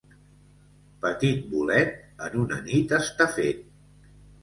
Petit bolet, en una nit està fet.